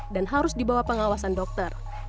dan harus dibawa pengawasan dokter